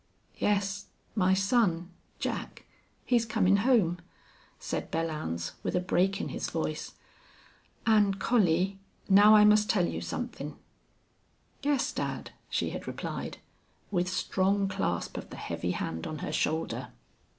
"Yes my son Jack he's comin' home," said Belllounds, with a break in his voice. "An', Collie now I must tell you somethin'." "Yes, dad," she had replied, with strong clasp of the heavy hand on her shoulder.